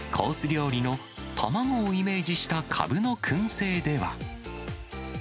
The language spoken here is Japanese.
料理の卵をイメージしたかぶのくん製では。